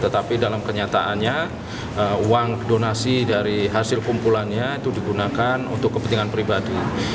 tetapi dalam kenyataannya uang donasi dari hasil kumpulannya itu digunakan untuk kepentingan pribadi